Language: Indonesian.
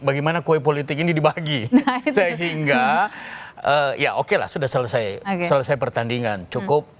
bagaimana kue politik ini dibagi sehingga ya oke lah sudah selesai selesai pertandingan cukup